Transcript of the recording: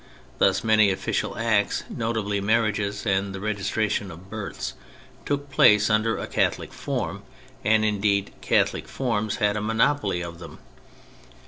Thus many official acts, notably marriages and the registration of births, took place under a Catholic form, and indeed Catholic forms had a monopoly of them.